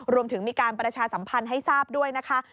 รวมถึงมีการประชาสัมพันธ์ให้ทราบด้วยนะคะ